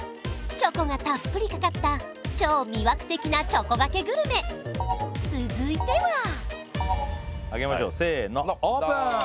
チョコがたっぷりかかった超魅惑的なチョコがけグルメ続いては開けましょうせのオープン！